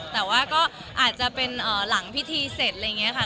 แต่ว่าก็อาจจะเป็นหลังพิธีเสร็จอะไรอย่างนี้ค่ะ